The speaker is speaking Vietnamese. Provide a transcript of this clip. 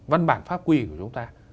văn bản pháp quy của chúng ta